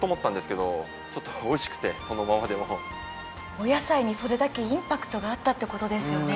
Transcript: お野菜にそれだけインパクトがあったって事ですよね。